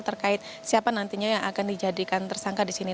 terkait siapa nantinya yang akan dijadikan tersangka di sini